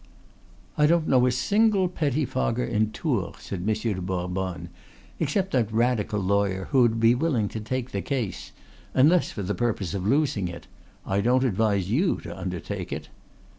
"I don't know a single pettifogger in Tours," said Monsieur de Bourbonne, "except that Radical lawyer, who would be willing to take the case, unless for the purpose of losing it; I don't advise you to undertake it."